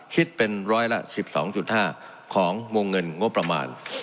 คิดเป็นร้อยละ๑๒๕ของวงเงินงบประมาณ